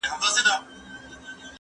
ته ولي سندري اورې!.